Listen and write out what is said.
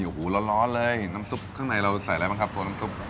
โอ้โหร้อนเลยเห็นน้ำซุปข้างในเราใส่อะไรบ้างครับตัวน้ำซุป